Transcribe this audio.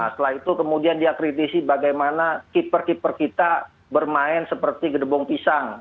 setelah itu kemudian dia kritisi bagaimana keeper keeper kita bermain seperti gedebong pisang